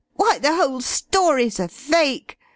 "Why, the whole story's a fake.